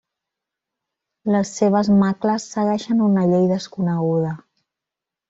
Les seves macles segueixen una llei desconeguda.